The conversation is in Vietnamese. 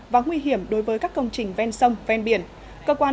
và nguy hiểm đối với các công trình ven sông ven biển